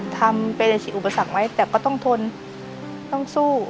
ทำไปในสิอุปสรรคไหมแต่ก็ต้องทนต้องสู้